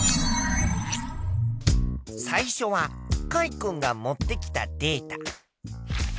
最初はカイ君が持ってきたデータ。